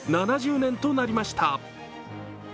７０年となりました。